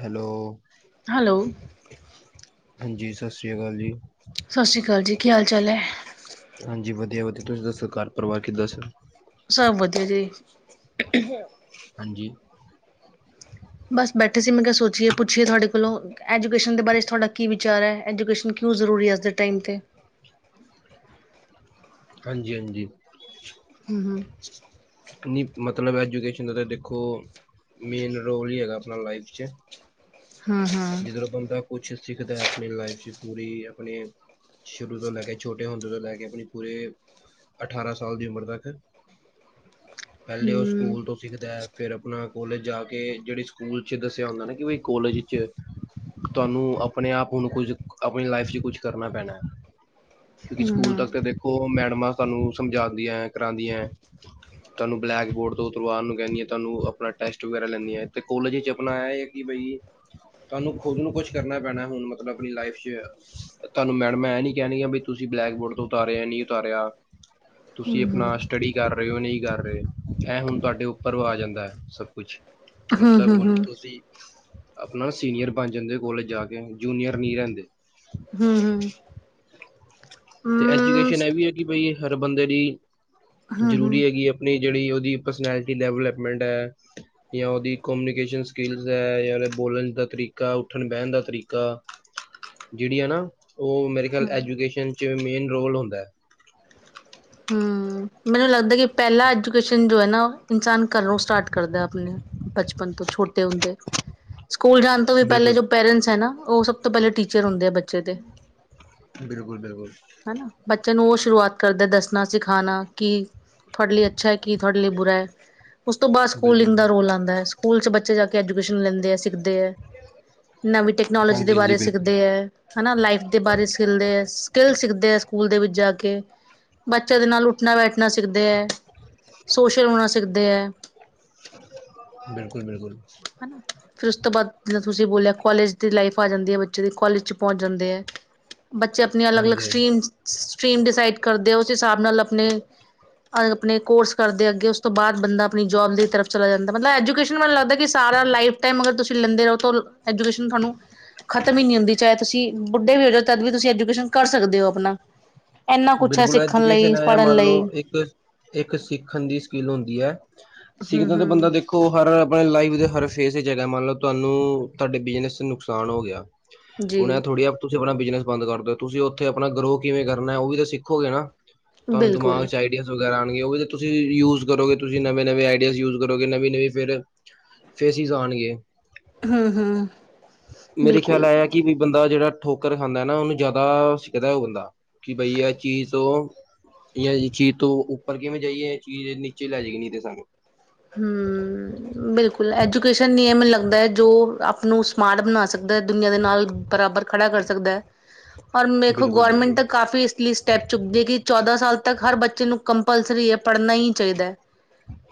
Hello hello ਹਾਂਜੀ, ਸਤਿ ਸ੍ਰੀ ਅਕਾਲ ਜੀ ਸਤਿ ਸ੍ਰੀ ਅਕਾਲ ਜੀ, ਕੀ ਹਾਲ -ਚਾਲ ਹੈ ਹਾਂਜੀ ਵਧੀਆ ਵਧੀਆ ਤੁਸੀਂ ਦੱਸੋ ਘਰ ਪਰਿਵਾਰ ਕਿੱਦਾਂ ਸੀ। ਸਭ ਵਧੀਆ ਜੀ ਹਾਂਜੀ ਬਸ ਬੈਠੇ ਸੀ, ਮੈਂ ਕਿਹਾ ਸੋਚੀਏ, ਪੁੱਛੀਏ ਤੁਹਾਡੇ ਕੋਲੋਂ ਐਜੂਕੇਸ਼ਨ ਦੇ ਬਾਰੇ ਤੁਹਾਡਾ ਕੀ ਵਿਚਾਰ ਹੈ, ਐਜੂਕੇਸ਼ਨ ਕਿਉਂ ਜ਼ਰੂਰੀ ਅੱਜ ਦੇ ਟਾਈਮ ਤੇ ਹਾਂਜੀ, ਹਾਂਜੀ ਹਮ, ਹਮ ਨਹੀਂ ਮਤਲਬ ਐਜੂਕੇਸ਼ਨ ਦਾ ਤਾਂ ਦੇਖੋ, ਮੇਨ ਰੋਲ ਹੀ ਹੈਗਾ ਆਪਣਾ ਲਾਈਫ 'ਚ ਹਾਂ- ਹਾਂ ਜਿਧਰੋਂ ਬੰਦਾ ਕੁਛ ਸਿੱਖਦਾ ਆਪਣੀ ਲਾਈਫ 'ਚ, ਪੂਰੀ ਆਪਣੇ ਸ਼ੁਰੂ ਤੋਂ ਲੈ ਕੇ ਛੋਟੇ ਹੁੰਦੇ ਸ਼ੁਰੂ ਤੋਂ ਲੈ ਕੇ ਆਪਣੀ ਪੂਰੇ, ਅਠਾਰਾਂ ਸਾਲ ਦੀ ਉਮਰ ਤੱਕ, ਪਹਿਲੇ ਉਸ ਹਮ ਸਕੂਲ ਤੋਂ ਸਿੱਖਦਾ, ਫਿਰ ਆਪਣਾ ਕੋਲਜ ਜਾ ਕੇ ਜਿਹੜੇ ਸਕੂਲ ਚ ਦੱਸਿਆ ਹੁੰਦਾ ਨਾ ਕਿ ਬਈ ਕੋਲੇਜ 'ਚ ਤੁਹਾਨੂੰ ਆਪਣੇ ਆਪ ਹੁਣ ਕੁਝ, ਆਪਣੀ ਲਾਈਫ 'ਚ ਕੁਝ ਕਰਨਾ ਪੈਣਾ, ਕਿਉਂਕਿ ਹਮ ਸਕੂਲ ਹਮ ਤੱਕ ਤੇ ਦੇਖੋ, ਮੈਡਮਾਂ ਸਾਨੂੰ ਸਮਝਾਉਂਦੀਆਂ, ਕਰਾਉਦੀਆਂ ਹੈ ਤੁਹਾਨੂੰ ਬਲੈਕ ਬੋਰਡ ਤੋਂ ਉਤਾਰਣ ਨੂੰ ਕਹਿੰਦੀਆ, ਤੁਹਾਨੂੰ ਆਪਣਾ ਟੈਸਟ ਵਗੈਰਾ ਲੈਂਦੀਆ, ਤੇ ਕੋਲਜ ਵਿੱਚ ਆਪਣਾ ਆ- ਕਿ ਬਈ ਤੁਹਾਨੂੰ ਖੁੱਦ ਨੂੰ ਕੁਛ ਕਰਨਾ ਪੈਣਾ, ਹੁਣ ਮਤਲਬ ਆਪਣੀ ਲਾਈਫ 'ਚ ਤੁਹਾਨੂੰ ਮੈਡਮਾ ਇਹ ਨਹੀ ਕਹਿਣਗੀਆ ਵੀ ਤੁਸੀਂ ਬਲੈਕ ਬੋਰਡ ਤੋਂ ਉਤਾਰਿਆ, ਨਹੀਂ ਉਤਾਰਿਆ ਤੁਸੀਂ ਆਪਣਾ ਸਟੱਡੀ ਕਰ ਰਹੇ ਹੋ ਨਹੀਂ ਕਰ ਰਹੇ, ਇਹ ਹੁਣ ਤੁਹਾਡੇ ਉੱਪਰ ਆ ਜਾਂਦਾ ਹੈ ਸਭ ਕੁਛ, ਹਮ ਹਮ ਹਮ ਮਤਲਬ ਹੁਣ ਹਮ ਤੁਸੀਂ ਆਪਣਾ ਸੀਨੀਅਰ ਬਣ ਜਾਂਦੇ ਕੋਲਜ ਜਾ ਕੇ ਜੂਨੀਅਰ ਨਹੀਂ ਰਹਿੰਦੇ ਹਮ -ਹਮ ਤੇ ਐਜੂਕੇਸ਼ਨ ਇਹ ਵੀ ਹੈ ਕਿ ਬਈ, ਹਰ ਬੰਦੇ ਦੀ ਹਮ ਹਮ ਜ਼ਰੂਰੀ ਹੈਗੀ ਹੈ ਉਹ ਜਿਹੜੀ, ਉਹਦੀ ਪਰਸਨੈਲਿਟੀ ਡਿਵੈਲਪਮੈਂਟ ਹੈ ਜਾਂ ਉਹਦੀ ਕੋਮਿਊਨੀਕੇਸ਼ਨ ਸਕਿੱਲਸ ਹੈ, ਜਾਂ ਉਹਦੇ ਬੋਲਣ ਦਾ ਤਰੀਕਾ, ਉੱਠਣ- ਬਹਿਣ ਦਾ ਤਰੀਕਾ ਜਿਹੜੀ ਆ ਨਾ, ਉਹ ਮੇਰੇ ਖਿਆਲ ਹਮ ਐਜੂਕੇਸ਼ਨ 'ਚ ਮੇਨ ਰੋਲ ਹੁੰਦਾ ਹੈ ਮੈਨੂੰ ਲੱਗਦਾ ਕਿ ਪਹਿਲਾ ਐਜੂਕੇਸ਼ਨ ਜੋ ਹੈ ਨਾ, ਇਨਸਾਨ ਘਰੋਂ ਸਟਾਰਟ ਕਰਦਾ ਆਪਣੇ ਬਚਪਨ ਤੋਂ ਛੋਟੇ ਹੁੰਦੇ, ਸਕੂਲ ਜਾਨ ਤੋਂ ਵੀ ਪਹਿਲੇ ਬਿਲਕੁਲ ਜੋ ਪੇਰੈਂਟਸ ਹੈ ਨਾ, ਉਹ ਸਭ ਤੋਂ ਪਹਿਲੇ ਟੀਚਰ ਹੁੰਦੇ ਆ ਬੱਚੇ ਦੇ ਬਿਲਕੁਲ -ਬਿਲਕੁਲ ਹਨਾ ਬੱਚੇ ਨੂੰ ਉਹ ਸ਼ੁਰੂਆਤ ਕਰਦੇ, ਦੱਸਣਾ, ਸਿਖਾਉਣਾ ਕੀ ਤੁਹਾਡੇ ਲਈ ਅੱਛਾ ਹੈ, ਕੀ ਤੁਹਾਡੇ ਲਈ ਬੁਰਾ ਹੈ। ਉਸ ਤੋਂ ਬਾਅਦ ਬਿਲਕੁਲ ਸਕੂਲਿੰਗ ਦਾ ਬਿਲਕੁਲ ਰੋਲ ਆਉਂਦਾ ਹੈ, ਸਕੂਲ 'ਚ ਬੱਚੇ ਜਾ ਕੇ ਐਜੂਕੇਸ਼ਨ ਲੈਂਦੇ ਆ, ਸਿੱਖਦੇ ਹੈ ਨਵੀਂ ਟੈਕਨੋਲੋਜੀ ਦੇ ਹਾਂਜੀ ਹਾਂਜੀ ਬਾਰੇ ਬਿਲਕੁਲ ਸਿੱਖਦੇ ਹੈ ਹਨਾ, ਲਾਈਫ ਦੇ ਬਾਰੇ ਸਿੱਖਦੇ ਆ, ਸਕਿੱਲ ਸਿੱਖਦੇ ਆ, ਸਕੂਲ ਦੇ ਵਿੱਚ ਜਾ ਕੇ, ਬੱਚਿਆਂ ਦੇ ਨਾਲ ਉੱਠਣਾ ਬੈਠਣਾ ਸਿੱਖਦੇ ਹੈ, ਸੋਸ਼ਲ ਹੋਣਾ ਸਿੱਖਦੇ ਹੈ ਬਿਲਕੁਲ- ਬਿਲਕੁਲ ਹਨਾ ਫਿਰ ਉਸ ਤੋਂ ਬਾਅਦ ਜਿੱਦਾਂ ਤੁਸੀਂ ਬੋਲਿਆ ਕੋਲਜ ਦੀ ਲਾਈਫ ਆ ਜਾਂਦੀ ਹੈ ਬੱਚੇ ਦੀ ਕੋਲਜ 'ਚ ਪਹੁੰਚ ਜਾਂਦੇ ਐ। ਬੱਚੇ ਆਪਣੀ ਅਲੱਗ-ਅਲੱਗ ਹਾਂਜੀ ਹਾਂਜੀ ਸਟਰੀਮਜ, ਸਟਰੀਮ ਡਿਸਾਈਡ ਕਰਦੇ ਆ ਉਸ ਹਿਸਾਬ ਨਾਲ ਆਪਣੇ ਆਪਨੇ ਕੋਰਸ ਕਰਦੇ ਅੱਗੇ ਉਸ ਤੋਂ ਬਾਅਦ ਬੰਦਾ ਆਪਣੀ ਜੋਬ ਦੀ ਤਰਫ਼ ਚਲਾ ਜਾਂਦਾ ਮਤਲਬ ਐਜੂਕੇਸ਼ਨ ਮੈਨੂੰ ਲੱਗਦਾ ਕਿ ਸਾਰਾ ਲਾਈਫ ਟਾਈਮ ਅਗਰ ਤੁਸੀਂ ਲੈਂਦੇ ਰਹੋ ਤਾਂ ਐਜੂਕੇਸ਼ਨ ਤੁਹਾਨੂੰ ਖਤਮ ਹੀ ਨਹੀਂ ਹੁੰਦੀ ਚਾਹੇ ਤੁਸੀਂ ਬੁੱਢੇ ਵੀ ਹੋ ਜਾ ਤਦ ਵੀ ਤੁਸੀਂ ਐਜੂਕੇਸ਼ਨ ਕਰ ਸਕਦੇ ਹੋ ਆਪਣਾ। ਇੰਨਾ ਕੁਛ ਹੈ ਬਿਲਕੁਲ ਸਿੱਖਣ ਲਈ, ਐਜੂਕੇਸ਼ਨ ਹੈ ਪੜ੍ਹਨ ਮੰਨ ਲਈ। ਲਓ ਇੱਕ ਇੱਕ ਸਿੱਖਣ ਦੀ ਸਕਿੱਲ ਹੁੰਦੀ ਹੈ, ਹੂੰ ਸਿੱਖਦਾ ਤੇ ਬੰਦਾ ਹੂੰ ਦੇਖ ਹਰ ਆਪਣੇ ਲਾਈਫ ਦੇ ਹਰ ਫੇਸ ਚ ਹੈਗਾ ਮੰਨ ਲਓ ਤੁਹਾਨੂੰ ਤੁਹਾਡੇ ਬਿਜਨਸ ਨੁਕਸਾਨ ਹੋ ਗਿਆ ਹੁਣ ਜੀ ਐ ਥੋੜੀ ਤੁਸੀਂ ਆਪਣਾ ਬਿਜਨਸ ਬੰਦ ਕਰ ਦੋ ਤੁਸੀਂ ਉੱਥੇ ਆਪਣਾ ਗਰੋ ਕਿਵੇਂ ਕਰਨਾ ਉਹ ਵੀ ਤਾਂ ਸਿੱਖੋਗੇ ਨਾ। ਤੁਹਾਨੂੰ ਦਿਮਾਗ ਬਿਲਕੁਲ ਚਾਈ ਵਗੈਰਾ ਆਣਗੇ ਉਹ ਵੀ ਤਾਂ ਤੁਸੀਂ ਰੀ ਯੂਜ ਕਰੋਗੇ ਤੁਸੀਂ ਨਵੇਂ-ਨਵੇਂ ਆਈਡੀਆ ਯੂਜ ਕਰੋਗੇ ਨਵੀਂ-ਨਵੀਂ ਫਿਰ ਫੇਸੀਸ ਆਣਗੇ ਹੂੰ-ਹੂੰ ਮੇਰੇ ਖਿਆਲ ਆਇਆ ਕਿ ਬੰਦਾ ਜਿਹੜਾ ਠੋਕਰ ਖਾਂਦਾ ਨਾ ਉਹਨੂੰ ਜ਼ਿਆਦਾ ਸਿੱਖਦਾ ਉਹ ਬੰਦਾ, ਕਿ ਬਈ ਇਹ ਚੀਜ਼ ਉਹ ਜਾਂ ਚੀਜ਼ ਤੋਂ ਉੱਪਰ ਕਿਵੇਂ ਜਾਈਏ ਇਹ ਚੀਜ਼ ਨੀਚੇ ਲੈ ਜੇਗੀ ਨਹੀ ਤੇ ਸਾਨੂੰ। ਹੂੰ ਬਿਲਕੁਲ ਐਜੂਕੇਸ਼ਨ ਨੀ ਮੈਨੂੰ ਲੱਗਦਾ ਹੈ ਜੋ ਆਪ ਨੂੰ ਸਮਾਰਟ ਬਣਾ ਸਕਦਾ ਹੈ ਦੁਨੀਆਂ ਦੇ ਨਾਲ ਬਰਾਬਰ ਖੜਾ ਕਰ ਸਕਦਾ ਹੈ, ਔਰ ਮੇਖੋ ਗੌਰਰਮੈਂਟ ਬਿਲਕੁਲ-ਬਿਲਕੁਲ, ਦਾ ਕਾਫੀ ਇਸ ਲਿਸਟ ਸਟੈਪ ਚੁੱਕਦੀ ਹੈ, ਕਿ ਚੌਦਾਂ ਸਾਲ ਤੱਕ ਹਰ ਬੱਚੇ ਨੂੰ ਕੰਪਲਸਰੀ ਹੈ, ਪੜ੍ਹਨਾ ਹੀ ਚਾਹੀਦਾ ਹੈ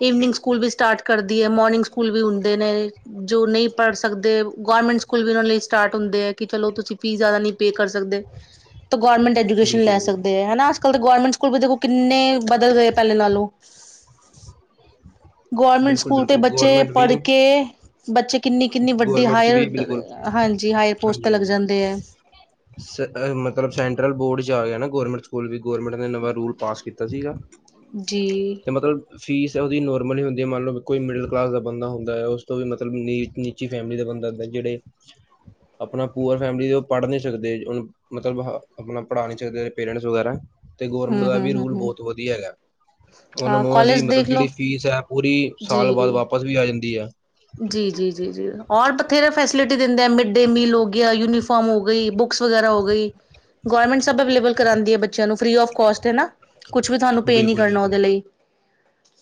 ਈਵਨਿੰਗ ਸਕੂਲ ਵੀ ਸਟਾਰਟ ਕਰਦੀ ਹੈ ਮੋਰਨਿੰਗ ਸਕੂਲ ਵੀ ਹੁੰਦੇ ਨੇ। ਜੋ ਨਹੀਂ ਪੜ੍ਹ ਸਕਦੇ ਗੌਰਮੈਂਟ ਸਕੂਲ ਵੀ ਉਹਨਾਂ ਲਈ ਸਟਾਰਟ ਹੁੰਦੇ ਹੈ ਕਿ ਚਲੋ ਤੁਸੀਂ ਫੀਸ ਜ਼ਿਆਦਾ ਨਹੀਂ ਪੇ ਕਰ ਸਕਦੇ। ਤਾਂ ਗੌਰਰਮੈਂਟ ਐਜੂਕੇਸ਼ਨ ਲੈ ਬਿਲਕੁਲ-ਬਿਲਕੁਲ, ਸਕਦੇ ਹੈ ਹਨਾ। ਅੱਜਕੱਲ ਤਾਂ ਗੌਰਮਿੰਟ ਸਕੂਲ ਦੇਖੋ ਕਿੰਨੇ ਬਦਲ ਗਏ ਪਹਿਲੇ ਨਾਲੋਂ। ਗੌਰਮੈਂਟ ਸਕੂਲ ਤੋਂ ਬਿਲਕੁਲ-ਬਿਲਕੁਲ ਬੱਚੇ ਗੌਰਮੈਂਟ ਵੀ ਪੜ੍ਹ ਕੇ ਬੱਚੇ ਕਿੰਨੀ-ਕਿੰਨੀ ਵੱਡੀ ਗੌਰਮੈਂਟ 'ਚ ਹਾਇਰ, ਵੀ ਬਿਲਕੁਲ ਹਾਂਜੀ ਹਾਇਰ ਪੋਸਟ ਤੇ ਲੱਗ ਹਾਂਜੀ-ਹਾਂਜੀ। ਜਾਂਦੇ ਐ। ਮਤਲਬ ਸੈਂਟਰਲ ਬੋਰਡ 'ਚ ਆ ਗਿਆ ਨਾ ਗੌਰਮੈਂਟ ਕੋਲ ਵੀ ਗਵੌਰਮੈਂਟ ਨੇ ਨਵਾਂ ਰੂਲ ਪਾਸ ਕੀਤਾ ਸੀਗਾ ਜੀ ਤੇ ਮਤਲਬ ਫੀਸ ਹੈ ਉਹਦੀ ਨੋਰਮਲ ਹੀ ਹੁੰਦੀ ਹੈ ਮੰਨ ਲਓ ਕੋਈ ਮਿਡਲ ਕਲਾਸ ਦਾ ਬੰਦਾ ਹੁੰਦਾ ਹੈ ਉਸ ਤੋਂ ਵੀ ਮਤਲਬ ਨੀ ਨੀਚੀ ਫੈਮਿਲੀ ਦਾ ਬੰਦਾ ਹੁੰਦਾ ਜਿਹੜੇ, ਆਪਣਾ ਪੂਅਰ ਫੈਮਿਲੀ ਦੇ ਉਹ ਪੜ੍ਹ ਨਹੀਂ ਸਕਦੇ ਉਹਨੂੰ ਮਤਲਬ ਆਪਣਾ ਪੜ੍ਹਾ ਨੀ ਸਕਦੇ ਪੇਰੈਂਟਸ ਵਗੈਰਾ। ਤੇ ਗੌਰਮੈਂਟ ਹਮ ਦਾ ਇਹ ਵੀ ਹਮ ਹਮ ਰੂਲ ਹਮ ਬਹੁਤ ਵਧੀਆ ਹੈਗਾ। ਉਹਨਾਂ ਹਾਂ ਨੂੰ ਉਹਨਾਂ ਦੀ ਕੋਲਜ ਮਤਲਬ ਦੇਖ ਲੋ ਜਿਹੜੀ ਫੀਸ ਹੈ ਪੂਰੀ ਸਾਲ ਬਾਅਦ ਵਾਪਸ ਵੀ ਆ ਜਾਂਦੀ ਆ। ਜੀ ਜੀ ਜੀ ਜੀ। ਔਰ ਬਥੇਰਾ ਫੈਸਿਲਿਟੀ ਦਿੰਦੇ ਆ ਮਿਡ ਡੇ ਮੀਲ ਹੋ ਗਿਆ, ਯੂਨੀਫਾਰਮ ਹੋ ਗਈ, ਬੁਕਸ ਵਗੈਰਾ ਹੋ ਗਈ। ਗੋਰਮੇਟੰ ਸਬ ੲਵਲੇਬਲ ਕਰਦੀ ਹੈ ਗੌਰਮੈਂਟ ਸਭ ਅਵੈਲੇਵਲ ਕਰਾਂਦੀ ਐ ਬੱਚਿਆਂ ਨੂੰ ਫਰੀ- ਆਫ ਕੋਸਟ ਹੈ ਨਾ ਕੁਛ ਵੀ ਤਹਾਨੁ ਪੇ ਨੀ ਬਿਲਕੁਲ ਕਰਨਾ ਬਿਲਕੁਲ ੳਦੇ ਲਈ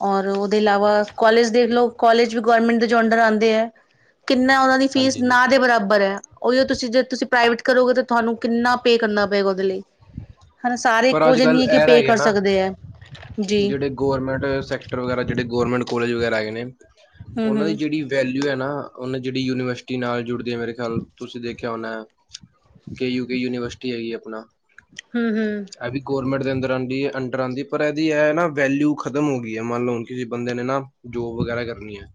ਔਰ ਉਹਦੇ ਇਲਾਵਾ, ਕਾਲਜ ਦੇਖ ਲੋ ਕਾਲਜ ਵੀ ਗੌਰਮੈਂਟ ਦੇ ਜੋ ਅੰਡਰ ਆਂਦੀ ਏ, ਕਿੰਨਾ ਉਹਨਾਂ ਦੀ ਫੀਸ ਹਾਂਜੀ ਹਾਂਜੀ ਨਾ ਦੇ ਬਰਾਬਰ ਹੈ। ਉਹੀ ਤੁਸੀਂ ਜੇ ਤੁਸੀਂ ਪ੍ਰਾਈਵੇਟ ਕਰੋਗੇ ਤਾਂ ਤੁਹਾਨੂੰ ਕਿੰਨਾ ਪੇ ਕਰਨਾ ਪਏਗਾ ਉਹਦੇ ਲਈ। ਹਨਾ ਸਾਰੇ ਪਰ ਇੱਕੋ ਅੱਜ ਜਿਹੇ ਨਹੀਂ ਹੈ ਕੱਲ੍ਹ ਕਿ ਇਹ ਪੇ ਰਹਿ ਗਿਆ ਕਰ ਨਾ ਸਕਦੇ ਐ। ਜਿਹੜੇ ਗੌਰਮੈਂਟ ਸੈਕਟਰ ਵਗੈਰਾ ਜਿਹੜੇ ਗੌਰਮੈਂਟ ਕੋਲਜ ਵਗੈਰਾ ਹੈਗੇ ਨੇ ਹੂੰ, ਉਹਨਾਂ ਹੂੰ, ਦੀ ਜਿਹੜੀ ਵੈਲਿਊ ਹੈ ਨਾ ਉਹਨੇ ਜਿਹੜੀ ਯੂਨੀਵਰਸਿਟੀ ਨਾਲ ਜੁੜਦੀ ਹੈ ਮੇਰੇ ਖਿਆਲ ਤੁਸੀਂ ਦੇਖਿਆ ਹੋਨਾ। ਕੇ ਯੂਕੇ ਯੂਨੀਵਰਸਿਟੀ ਹੈਗੀ ਆਪਣਾ। ਹੂੰ-ਹੂੰ ਇਹ ਵੀ ਗੌਰਰਮੈਂਟ ਦੇ ਅੰਦਰ ਆਂਦੀ ਅੰਡਰ ਆਂਦੀ ਪਰ ਦੀ ਹੈ ਨਾ ਵੈਲਿਊ ਖ਼ਤਮ ਹੋ ਗਈ ਹੈ ਮੰਨ ਲਓ ਕਿਸੇ ਬੰਦੇ ਨੇ ਨਾ, ਜੋਬ ਵਗੈਰਾ ਕਰਨੀ ਹੈ।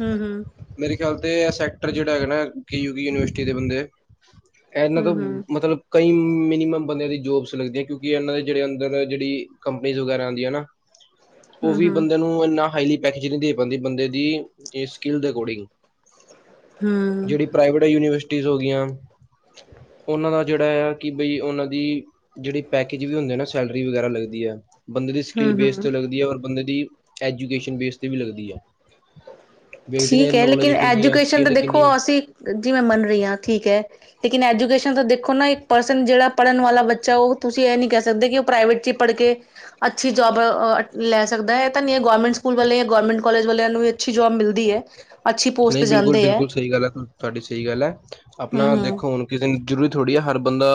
ਹਮ-ਹਮ ਮੇਰੇ ਖਿਆਲ ਤੇ ਐ ਸੈਕਟਰ ਜਿਹੜਾ ਹੈਗਾ ਕੇ ਯੂਕੇ ਯੂਨੀਵਰਸਿਟੀ ਦੇ ਬੰਦੇ ਇਹਨਾ ਤੋਂ ਹੂੰ, ਮਤਲਬ ਕਈ ਮਿਨੀਮਮ ਬੰਦਿਆਂ ਦੀ ਜੋਬਸ ਲੱਗਦੀਆਂ ਕਿਉਂਕਿ ਇਹਨਾਂ ਦੇ ਜਿਹੜੇ ਅੰਦਰ ਜਿਹੜੀ ਕੰਪ ਨੀਜ ਵਗੈਰਾ ਆਂਦੀਆਂ ਨਾ, ਬਉਹ ਹੂੰ, ਵੀ ਹੂੰ। ਬੰਦੇ ਨੂੰ ਇੰਨਾ ਹਾਈਲੀ ਪੈਜ ਨਹੀਂ ਦੇ ਪਾਉਂਦੀ ਬੰਦੇ ਦੀ, ਪੇ ਸਕਿੱਲ ਦੇ ਅਕੋਰਡਿੰਗ ਹੂੰ ਜਿਹੜੀ ਪ੍ਰਾਈਵੇਟ ਯੂਨੀਵਰਸਿਟੀਜ਼ ਹੋ ਗਈਆਂ, ਉਹਨਾਂ ਦਾ ਜਿਹੜਾ ਆ ਕਿ ਬਈ ਉਹਨਾਂ ਦੀ ਜਿਹੜੀ ਪੈਕੇਜ ਵੀ ਹੁੰਦੇ ਆ ਨਾ ਸੈਲਰੀ ਵਗੈਰਾ ਲੱਗਦੀ ਆ। ਬੰਦੇ ਦੀ ਸਕਿੱਲ ਬੇਸ ਹੂੰ-ਹੂੰ। 'ਤੇ ਲੱਗਦੀ ਹੈ ਔਰ ਬੰਦੇ ਦੀ ਐਜੂਕੇਸ਼ਨ ਬੇਸ 'ਤੇ ਵੀ ਲੱਗਦੀ ਹੈ। ਵੇਖਦੇ ਨੇ ਠੀਕ ਹੈ ਲੇਕਿਨ ਨੌਲੇਜ ਕਿੰਨੀ ਹੈ ਐਜੂਕੇਸ਼ਨ ਤਾਂ ਸਕਿੱਲ ਦੇਖੋ ਕਿੰਨੀ ਹੈ। ਅਸੀਂ, ਜੀ ਮੈਂ ਮੰਨ ਰਹੀ ਹਾਂ ਠੀਕ ਹੈ। ਲੇਕਿਨ ਐਜੂਕੇਸ਼ਨ ਦਾ ਦੇਖੋ ਨਾ ਇੱਕ ਪਰਸਨ ਜਿਹੜਾ ਪੜ੍ਹਨ ਵਾਲਾ ਬੱਚਾ ਉਹ ਤੁਸੀਂ ਇਹ ਨਹੀਂ ਕਹਿ ਸਕਦੇ ਕਿ ਉਹ ਪ੍ਰਾਈਵੇਟ ਚ ਪੜ ਕੇ ਅੱਛੀ ਜੋਬ ਲੈ ਸਕਦਾ ਹੈ ਤਾਂ ਨੀ ਗਰਮੈਂਟ ਸਕੂਲ ਵਾਲੇ ਗਰਮੈਂਟ ਕਾਲਜ ਵਾਲਿਆਂ ਨੂੰ ਅੱਛੀ ਜੋਬ ਮਿਲ ਦੀ ਐ ਨਹੀਂ ਬਿਲਕੁਲ- ਬਿਲਕੁਲ ਸਹੀ ਗੱਲ ਹੈ ਤੁਹਾਡੀ ਸਹੀ ਗੱਲ ਹੈ ਆਪਣਾ ਦੇਖੋ ਹੂੰ-ਹੂੰ ਹੁਣ ਕਿਸ ਜ਼ਰੂਰੀ ਥੋੜ੍ਹੀ ਹੈ ਹਰ ਬੰਦਾ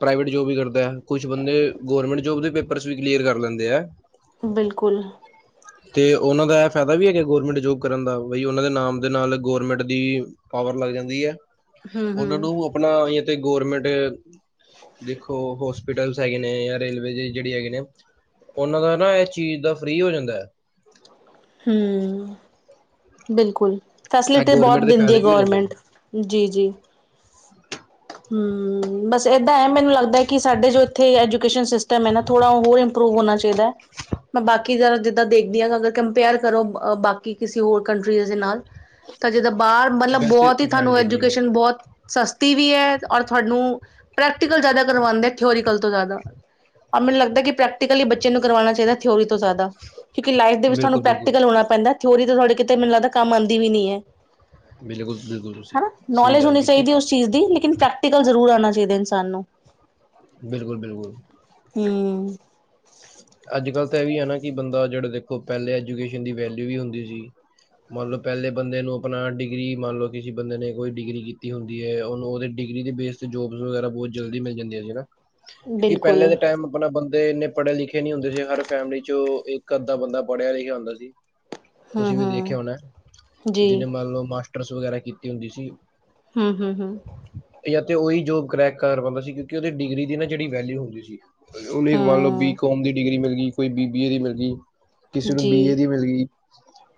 ਪ੍ਰਾਈਵੇਟ ਜੋਬ ਵੀ ਕਰਦਾ ਕੁਛ ਬੰਦੇ ਗਵਰਮੈਂਟ ਜੋਬ ਦੇ ਪ ਪਰਸ ਵੀ ਕਲੀਅਰ ਕਰ ਲੈਂਦੇ ਐ। ਬਿਲਕੁਲ। ਤੇ ਉਹਨਾਂ ਦਾ ਇਹ ਫਾਇਦਾ ਵੀ ਹੈਗਾ ਗੌਰਮੈਂਟ ਜੋਬ ਕਰਨ ਦਾ, ਬਈ ਉ ਉਹਨਾ ਦੇ ਨਾਮ ਦੇ ਨਾਲ ਗਰਮੈਂਟ ਦੀ ਪਾਵਰ ਲੱਗ ਜਾਂਦੀ ਐ, ਉਹਨਾਂ ਹੂੰ-ਹੂੰ। ਨੂੰ ਆਪਣਾ ਏ ਤੇ ਗੌਰਮੈਂਟ। ਦੇਖੋ ਹੋਸਪੀਟਲਸ ਹੈਗੇ ਨੇ ਜਾਂ ਰੇਲਵੇ ਜਿਹੜੇ ਹੈਗੇ ਨੇ। ਉਹਨਾਂ ਦਾ ਨਾ ਇਹ ਚੀਜ਼ ਦਾ ਫ੍ਰਰੀ ਹੋ ਜਾਂਦਾ ਐ। ਹਮ ਬਿਲਕੁਲ ਇਹ ਫੈਸਿਲਿਟੀ ਬਹੁਤ ਗੌਰਮੈਂਟ ਦੇ ਦਿੰਦੀ ਹੈ ਫਾਇਦੇ ਵੀ ਹੋ ਜਾਂਦੇ ਨੇ ਗਰਮੈਂਟ। ਜੀ-ਜੀ। ਹੂੰ। ਬਸ ਏਦਾਂ ਐ, ਮੈਨੂੰ ਲੱਗਦਾ ਏ ਕਿ ਸਾਡੇ ਜੋ ਇੱਥੇ ਐਜੂਕੇਸ਼ਨ ਸਿਸਟਮ ਐ ਨਾ ਥੋੜ੍ਹਾ ਹੋਰ ਇੰਪਰੂਵ ਹੋਣਾ ਚਾਹੀਦਾ ਐ। ਮੈਂ ਬਾਕੀ ਜਿੱਦਾਂ ਦੇਖਦੀ ਆ ਅਗਰ ਕੰਪੇਅਰ ਕਰੋ ਅ ਬਾਕੀ ਕਿਸੀ ਹੋਰ ਕੰਟਰੀਜ਼ ਦੇ ਨਾਲ। ਤਾਂ ਜਿੱਦਾਂ ਬਾਹਰ ਮਤਲਬ ਵੈਸੇ ਬੋਅਤ ਈ ਤੁਹਾਨੂੰ ਹਾਂਜੀ ਹਾਂਜੀ ਐਜੂਕੇਸ਼ਨ ਬੋਤ ਸਸ ਟੀ ਵੀ ਐ ਔਰ ਤੁਹਾਨੂੰ ਪ੍ਰੈਕਟੀਕਲ ਜ਼ਿਆਦਾ ਕਰਵਾਂਦੇ ਐ ਥਿਓਰੀਕਲ ਤੋਂ ਜ਼ਿਆਦਾ। ਆਹ ਮੈਨੂੰ ਲੱਗਦਾ ਪ੍ਰੈਕਟਿਕਲ ਬੱਚੇ ਨੂੰ ਕਰਵਾਣਾ ਚਾਹੀਦਾ ਥਿਓਰੀ ਤੋਂ ਜ਼ਿਆਦਾ। ਕਿਉਂਕਿ ਲਾਈਫ ਦੇ ਵਿੱਚ ਤੁਹਾਨੂੰ ਬਿਲਕੁਲ ਬਿਲਕੁਲ ਪ੍ਰੈਕਟੀਕਲ ਹੋਣਾ ਪੈਂਦਾ ਥਿਊਰੀ ਤੇ ਤੁਹਾਡੇ ਕਿਤੇ ਮੈਨੂੰ ਲੱਗਦਾ ਕੰਮ ਆਂਦੀ ਵੀ ਨੀ ਐ। ਬਿਲਕੁਲ-ਬਿਲਕੁਲ ਤੁਸੀਂ ਸਹੀ ਨੌਲੇਜ ਗੱਲ ਹੋਣੀ ਕੀਤੀ। ਚਾਹੀਦੀ ਉਸ ਚੀਜ਼ ਦੀ ਲੇਕਿਨ ਪ੍ਰੈਕਟੀਕਲ ਜ਼ਰੂਰ ਆਉਣਾ ਚਾਹੀਦਾ ਇਨਸਾਨ ਨੂੰ। ਬਿਲਕੁਲ-ਬਿਲਕੁਲ। ਹੂੰ। ਅੱਜ ਕੱਲ੍ਹ ਤਾਂ ਅਵਾ ਵੀ ਹੈ ਨਾ ਕਿ ਬੰਦਾ ਜਿਹੜੇ ਦੇਖੋ ਪਹਿਲੇ ਐਜੂਕੇਸ਼ਨ ਦੀ ਵੈਲਿਊ ਵੀ ਹੁੰਦੀ ਸੀ। ਮੰਨ ਲੋ ਪਹਿਲੇ ਬੰਦੇ ਨੂੰ ਆਪਣਾ ਡਿਗਰੀ ਮੰਨ ਲੋ ਕਿਸੇ ਬੰਦੇ ਨੇ ਕੋਈ ਡਿਗਰੀ ਕੀਤੀ ਹੁਣ ਦੀ ਐ ਉਹਨੂੰ ਉਹਦੇ ਡਿਗਰੀ ਦੇ ਬੇਸ ਤੇ ਜੋਬਸ ਵਗੈਰਾ ਬਹੁਤ ਜਲਦੀ ਮਿਲ ਜਾਂਦੀਆਂ ਸੀ ਨਾ। ਕਿਉਂਕਿ ਪਹਿਲੇ ਦੇ ਟਾਈਮ ਆਪਣਾ ਬੰਦੇ ਇੰਨੇ। ਪੜ੍ਹੇ ਲਿਖੇ ਨੀ ਹੁੰਦੇ ਸੀ। ਹਰ ਫੈਮਲੀ ਚੋਂ ਇੱਕ ਅੱਧਾ ਬੰਦਾ ਪੜ੍ਹਿਆ ਲਿਖਿਆ ਹੁੰਦਾ ਸੀ। ਤੁਸੀਂ ਵੀ ਦੇਖਿਆ ਹੋਣਾ। ਜੀ ਜਿਹਨੇ ਮੰਨ ਲਓ ਮਾਸਟਰਸ ਵਗੈਰਾ ਕੀਤੀ ਹੁੰਦੀ ਸੀ। ਹੂੰ- ਹੂੰ- ਹੂੰ। ਜਾਂ ਤੇ ਉਹੀ ਜੋਬ ਕਰੈਕ ਕਰ ਪਾਉਂਦਾ ਸੀ ਕਿਉਂਕਿ ਉਹਦੀ ਡਿਗਰੀ ਦੀ ਨਾ ਜਿਹੜੀ ਵੈਲਿਊ ਹੁੰਦੀ ਸੀ। ਨ ਮੰਨ ਲੋ ਬੀ ਹੂੰ ਕੋਮ ਦੀ ਡਿਗਰੀ ਮਿਲਗੀ ਕੋਈ ਬੀ ਬੀ ਏ ਦੀ ਮਿਲਗੀ। ਕਿਸੇ ਨੂੰ ਬੀ ਏ ਜੀ ਦੀ ਮਿਲਗੀ।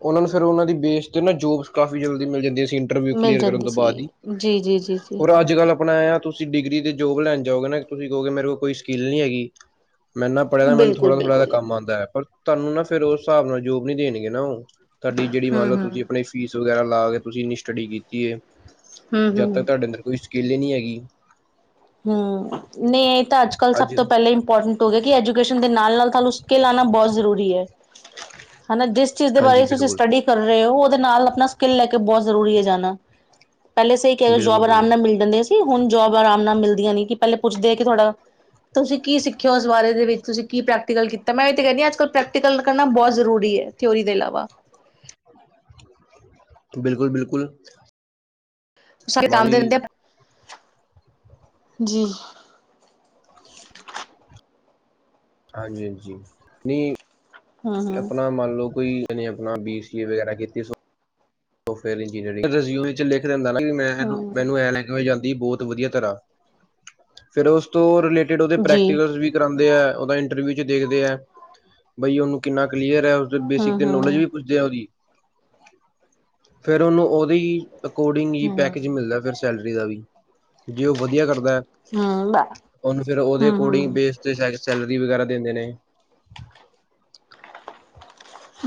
ਉਹ ਨੂੰ ਫਿਰ ਉਹਨਾਂ ਦੀ ਬੇਸ ਤੇ ਨਾ ਜੋਬਸ ਕਾਫ਼ੀ ਜਲਦੀ ਮਿਲ ਜਾਂਦੀਆਂ ਸੀ। ਇੰਟਰਵਿਊ ਮਿਲ ਕਲੀਅਰ ਕਰਨ ਜਾਂਦੀ ਤੋਂ ਸੀ ਬਾਅਦ ਹੀ ਜੀ ਜੀ ਜੀ ਜੀ ਔਰ ਅੱਜ ਕਲ ਆਪਣਾ ਆ। ਤੁਸੀਂ ਡਿਗਰੀ ਤੇ ਜੋਬ ਲੈਣ ਜਾਓਗੇ ਨਾ, ਤੁਸੀਂ ਕਹੋਗੇ ਮੇਰੇ ਕੋਲ ਕੋਈ ਸਕਿੱਲ ਨੀ ਹੈਗੀ। ਮੈ ਇਨਾ ਪੜ੍ਹਿਆ ਤਾਂ ਮੈਨੂੰ ਬਿਲਕੁਲ ਥੋੜ੍ਹਾ ਥੋੜਾ ਬਿਲਕੁਲ ਕੰਮ ਆਉਂਦਾ ਹੈ, ਪਰ ਤਾਨੂੰ ਨਾ ਫਿਰ ਉਸ ਹਿਸਾਬ ਨਾਲ ਜੋਬ ਨੀ ਦੇਣਗੇ ਨਾ ਉਹ। ਤੁਹਾਡੀ ਜਿਹੜੀ ਮੰਨ ਹੂੰ ਲਓ, ਹੂੰ ਤੁਸੀਂ ਆਪਣੇ ਫੀਸ ਵਗੈਰਾ ਲਾ ਕੇ ਤੁਸੀਂ ਇੰਨੀ ਸਟੱਡੀ ਕੀਤੀ। ਹੂੰ ਜਦ ਹੂੰ ਤੱਕ ਤੁਹਾਡੇ ਅੰਦਰ ਕੋਈ ਸਕੀਲੇ ਹੀ ਨਹੀਂ ਹੈਗੀ। ਹੂੰ, ਨਈ ਇਹ ਤਾਂ ਅੱਜ ਕੱਲ ਸਭ ਤੋਂ ਪਹਿਲਾਂ ਇੰਪੋਰਟੈਂਟ ਹੋ ਕਿ ਐਜੂਕੇਸ਼ਨ ਦੇ ਨਾਲ-ਨਾਲ ਤੁਹਾਨੂੰ ਸਕਿੱਲ ਆਉਣਾ ਬਹੁਤ ਜ਼ਰੂਰੀ ਹੈ ਹਨਾ ਜਿਸ ਚੀਜ਼ ਦੇ ਹਾਂਜੀ ਬਾਰੇ ਤੁਸੀਂ ਬਿਲਕੁਲ ਸਟੱਡੀ ਕਰ ਰਹੇ ਹੋ, ਉਹਦੇ ਨਾਲ ਆਪਣਾ ਸਕਿੱਲ ਲੈ ਕੇ ਬਹੁਤ ਜ਼ਰੂਰੀ ਐ ਜਾਣਾ। ਪਹਿਲੇ ਸਈ ਕਹਿ ਰੇ ਜੋਬ ਬਿਲਕੁਲ ਆਰਾਮ ਬਿਲਕੁਲ ਨਾਲ ਮਿਲ ਜਾਂਦੇ ਸੀ ਹੁਣ ਜੋਬ ਆਰਾਮ ਨਾਲ ਮਿਲ ਦੀਆ ਨੀ ਕਿ ਪਹਿਲੇ ਪੁੱਛਦੇ ਕਿ ਤੁਹਾਡਾ, ਤੁਸੀਂ ਕੀ ਸਿੱਖਿਆ ਹੋਇਆ ਉਸ ਬਾਰੇ ਦੇ ਵਿੱਚ ਤੁਸੀਂ ਕੀ ਪ੍ਰੈਕਟੀਕਲ ਕੀ ਤਾਂ ਮੈਂ ਇਹ ਤਾਂ ਕਹਿੰਦੀ ਆ, ਅਜ ਕੱਲ੍ਹ ਪ੍ਰੈਕਟੀਕਲ ਕਰਨਾ ਬਹੁਤ ਜ਼ਰੂਰੀ ਐ ਥਿਓਰੀ ਦੇ ਇਲਾਵਾ। ਬਿਲਕੁਲ- ਬਿਲਕੁਲ। ਮੰਨ ਲਈ [unintelligible] ਹਾਂਜੀ- ਹਾਂਜੀ। ਨਈ ਹੂੰ ਹੂੰ ਆਪਣਾ ਮੰਨਲਓ ਕੋਈ ਇਹੇ ਆਪਣਾ ਬੀ ਸੀ ਏ ਵਗੈਰਾ ਕੀ ਕੀਤੀ ਸੋ ਉਹ ਫਿਰ ਇੰਨੀਅਰਿੰਗ ਵਿੱਚ ਲਿਖ ਦਿੰਦਾ ਐ ਨਾ, ਮੈਂ ਹੂੰ ਮੈਨੂੰ ਐਂ ਲੈ ਹੋ ਜਾਂਦੀ ਬਹੁਤ ਵਧੀਆ ਤਰ੍ਹਾਂ ਫੇਰ ਉਸ ਤੋਂ ਰਿਲੇਟਿਡ ਉਹਦੇ ਜੀ ਪ੍ਰੈਕਟੀਕਲ ਸ ਵੀ। ਕਰਾਉਂਦੇ ਐ ਉਹਦਾ ਇੰਟਰਵਿਊ ਚ ਦੇਖਦੇ ਐ ਬਈ ਉਹਨੂੰ ਕਿੰਨਾ ਕਲੀਅਰ ਐ ਤੇ ਹੂੰ ਬੇਸਿਕ ਤੇ ਹੂੰ ਨੋਲੇਜ ਵੀ ਹੂੰ ਪੁੱਛਦੇ ਆ ਉਹਦੀ। ਫੇਰ ਉਹਨੂੰ ਉਹਦੀ ਅਕੋਰਡਿੰਗ ਹੀ ਪੈਕੇਜ ਮਿਲਦਾ ਫਿਰ ਸੈਲਰੀ ਦਾ ਵੀ ਜੇ ਉਹ ਵਧੀਆ ਕਰਦਾ ਹੈ ਹੂੰ ਹੂੰ ਉਹਨੂੰ ਫੇਰ ਉਹਦੇ ਅਕੋਰਡਿੰਗ ਹੂੰ ਬੇਸ ਸ਼ਾਇਦ ਸੈਲਰੀ ਵਗੈਰਾ ਦਿੰਦੇ ਨੇ।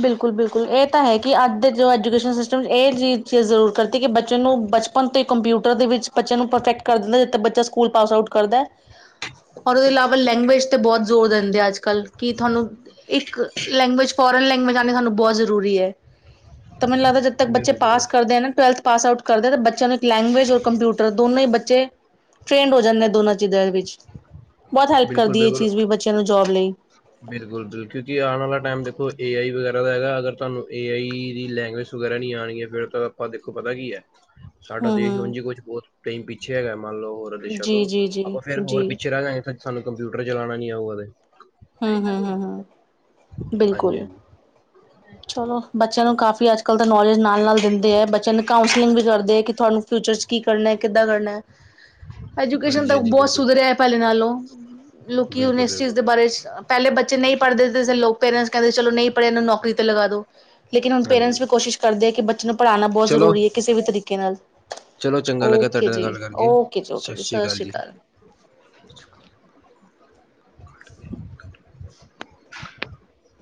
ਬਿਲਕੁਲ ਬਿਲਕੁਲ ਇਹ ਤਾਂ ਹ ਕਿ ਅੱਜ ਦੇ ਜੋ ਐਜੂਕੇਸ਼ਨ ਸਿਸਟਮ ਚ ਇਹ ਚ ਚੀਜ਼ ਜ਼ਰੂਰ ਕਰਤੀ ਕਿ ਬੱਚੇ ਨੂੰ ਬੱਚ ਤੇ ਕੰਪਿਊਟਰ ਦੇ ਵਿੱਚ ਬੱਚਿਆਂ ਨੂੰ ਪਰਫੈਕਟ ਕਰ ਦਿੰਦਾ ਜਿੱਥੇ ਬੱਚਾ ਸਕੂਲ ਪਾਸ ਆਊਟ ਕਰਦਾ ਔਰ ਉਹਦੇ ਇਲਾਵਾ ਲੈਂਗੁਏਜ ਤੇ ਬਹੁਤ ਜ਼ੋਰ ਦਿੰਦੇ ਆ ਅੱਜ - ਕੱਲ੍ਹ ਕਿ ਥੋਨੂੰ ਇੱਕ ਲੈਂਗੁਏਜ ਫੋਰਨ ਲੈਂਗੁਏਜ ਆਉਣੀ ਸਾਨੂੰ ਬਹੁਤ ਜ਼ਰੂਰੀ ਐ ਤਾਂ ਮੈਨੂੰ ਲੱਗਦਾ ਜ ਤੇ ਬੱਚੇ ਬਿਲਕੁਲ-ਬਿਲਕੁਲ। ਪਾਸ ਕਰਦੇ ਨਾ ਟਵਲਥ ਪਾਸ ਆਊਟ ਕਰਦੇ ਬੱਚਿਆਂ ਨੂੰ ਇੱਕ ਲੈਂਗੁਏਜਔ ਕ ਕੰਪਿਊਟਰ ਦੋਨੇ ਹੀ ਬੱਚੇ। ਟ੍ਰੇਡ ਹੋ ਜਾਂਦੇ ਦੋਨਾਂ ਚੀਜ਼ਾਂ ਦੇ ਵਿੱਚ ਬਹੁਤ ਹੈਲਪ ਕਰਦੀ ਇਹ ਚੀਜ਼ ਵੀ ਬੱਚਿਆਂ ਨੂੰ ਜੋਬ ਲਈ। ਬਿਲਕੁਲ ਬਿਲਕੁਲ ਜੀ ਆਣ ਆਲਾ ਟਾਈਮ ਦੇਖੋ ਏ ਆਈ ਵਗੈਰਾ ਦਾ ਹੈਗਾ ਅਗਰ ਤੁਹਾਨੂੰ ਏ ਆਈ ਦੀ ਲੈਂਗੁਏਜ ਵਗੈਰਾ ਨਹੀਂ ਆਉਣਗੀਆਂ ਫੇਰ ਤਾਂ ਆਪਾਂ ਦੇਖੋ ਪਤਾ ਕੀ ਹੈ। ਸਾਡਾ ਹਮ ਦੇਸ਼ ਉੰਝ ਹਮ ਜੇ ਕੁਛ ਬਹੁਤ ਟੈਮ ਪਿੱਛੇ ਹੈਗਾ ਮੰਨ ਲਓ ਵਿਸ਼ਈਆ ਜੀ ਤੋਂ ਜੀ ਜੀ ਆਪਾਂ ਫੇਰ ਹੋਰ ਜੀ ਪਿੱਛੇ ਰਹਿ ਜਾ ਗਏ, ਫਿਰ ਸਾਨੂੰ ਕੰਪਿਊਟਰ ਚਲਾਉਣਾ ਨੀ ਆਊਗਾ ਕਾਦੇ। ਹਮ-ਹਮ-ਹਮ-ਹਮ ਬਿਲਕੁਲ। ਹਾਂਜੀ-ਹਾਂਜੀ, ਚਲੋ ਬੱਚਿਆਂ ਨੂੰ ਕਾਫ਼ੀ ਅੱਜ ਕੱਲ੍ਹ ਦਾ ਨੌਲੇਜ ਨਾਲ ਨਾਲ ਦਿੰਦੇ ਐ, ਬੱਚਿਆਂ ਨੂੰ ਕਾਉਂਸਲਿੰਗ ਵੀ ਕਰਦੇ ਐ ਕਿ ਤੁਹਾਨੂੰ ਫਿਊਚਰ ਚ ਕੀ ਕਰਨਾ ਕਿੱਦਾਂ ਕਰਨਾ ਆ। ਐਜੂਕੇਸ਼ਨ ਤਾਂ ਹਾਂਜੀ-ਹਾਂਜੀ ਬਹੁਤ ਬਿਲਕੁਲ, ਸੁਧਾਰਿਆ ਐ ਪਹਿਲੇ ਨਾਲੋਂ, ਲੋਕ ਹੁਣ ਇਸ ਚੀਜ਼ ਬਿਲਕੁਲ-ਬਿਲਕੁਲ ਦੇ ਬਾਰੇ ਪਹਿਲੇ ਬੱਚੇ ਨਹੀਂ ਪੜ੍ਹਦੇਿ ਦੇ ਲੋਕ ਪੇਰੈਂਟਸ ਕਹਿੰਦੇ ਚਲੋ ਨਹੀਂ ਪੜ੍ਹੇ ਇਹਨੂੰ ਨੌਕਰੀ ਤੇ ਲਗਾ ਦੋ। ਲੇਕਿਨ ਹੁਣ ਹਾਂਜੀ ਪੇਰੈਂਟਸ ਵੀ ਕੋਸ਼ਿਸ਼ ਕਰਦੇ ਆ ਕਿ ਬੱਚੇ ਨੂੰ ਪੜ੍ਹਾਣਾ ਬਹੁਤ ਚਲੋ, ਜ਼ਰੂਰੀ ਏ ਕਿਸੇ ਵੀ ਤਰੀਕੇ ਨਾਲ। ਚਲੋ ਚੰਗਾ ਲੱਗਾ ਓਕੇ ਤੁਹਾਡੇ ਨਾਲ ਜੀ ਗੱਲ ਕਰਕੇ ਓਕੇ ਜੀ ਓਕੇ ਜੀ ਸ੍ਰੀ ਸਤਿ ਸ਼੍ਰੀ ਅਕਾਲ। ਹ।